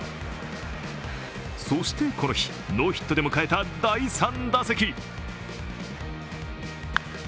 そしてこの日、ノーヒットで迎えた第３打席。